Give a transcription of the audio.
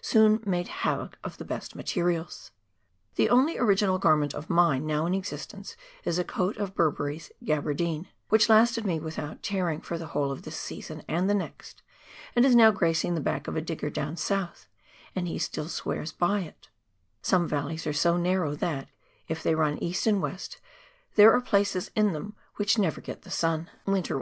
soon made havoc of the best materials. The only original garment of mine now in existence is a coat of Burberry's " Gabardine " which lasted me without tearing for the whole of this season and the next — it is now gracing the back of a digger " down South," and he still swears by it 1 Some valleys are so narrow that, if they run east and west, there are places in them which never get the sun, winter COOK RIVER AND ANCIENT GLACIERS.